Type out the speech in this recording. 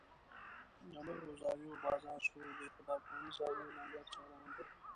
د نورو زاویو بازار سوړ دی خو د افغاني زاویې لنګر چالان دی.